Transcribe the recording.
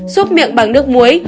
xúc miệng bằng nước muối